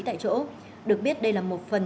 tại chỗ được biết đây là một phần